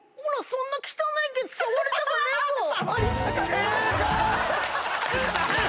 正解！